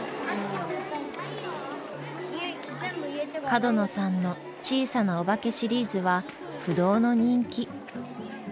角野さんの「小さなおばけ」シリーズは不動の人気。